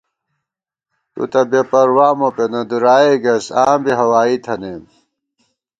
تُو تہ بے پروا مو پېنہ دُرائےگئیس آں بی ہوائی تھنَئیم